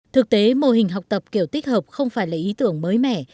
thực tế mô hình học tập kiểu tích hợp không phải là ý tưởng mới mẻ